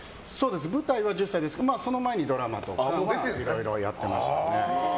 舞台は１０歳でその前にドラマとかいろいろやっていました。